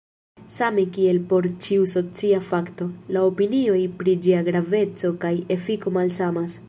Same kiel por ĉiu socia fakto, la opinioj pri ĝia graveco kaj efiko malsamas.